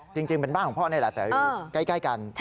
จริงเป็นบ้านของพ่อนี่แหละแต่อยู่ใกล้กัน